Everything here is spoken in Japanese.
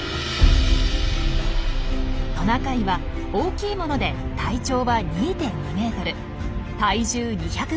トナカイは大きいもので体長は２．２ｍ体重２５０ｋｇ。